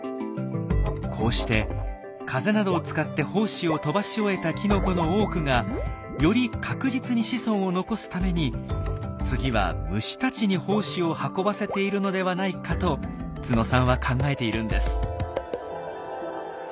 こうして風などを使って胞子を飛ばし終えたきのこの多くがより確実に子孫を残すために次は虫たちに胞子を運ばせているのではないかと都野さんは考えているんです。